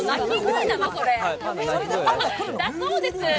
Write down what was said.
だそうです。